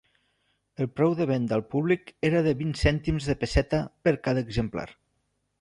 El preu de venda al públic era de vint cèntims de pesseta per cada exemplar.